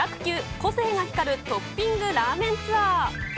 個性が光るトッピングラーメンツアー。